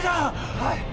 はい！